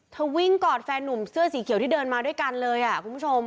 วิ่งกอดแฟนนุ่มเสื้อสีเขียวที่เดินมาด้วยกันเลยคุณผู้ชม